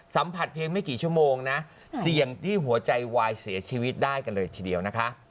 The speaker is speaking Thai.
เพียงไม่กี่ชั่วโมงนะเสี่ยงที่หัวใจวายเสียชีวิตได้กันเลยทีเดียวนะคะ